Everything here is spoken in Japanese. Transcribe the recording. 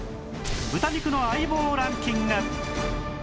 豚肉の相棒ランキング